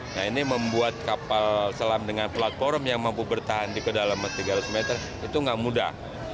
nah ini membuat kapal selam dengan platform yang mampu bertahan di kedalaman tiga ratus meter itu nggak mudah